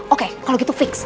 oke kalau gitu fix